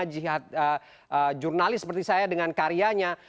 jihad jurnalis seperti saya dengan karyanya